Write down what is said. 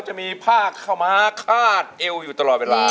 จะมีผ้าเข้ามาคาดเอวอยู่ตลอดเวลา